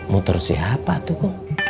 motor siapa tuh